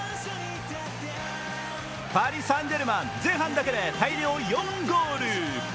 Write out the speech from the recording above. パリ・サン＝ジェルマン、前半だけで大量４ゴール。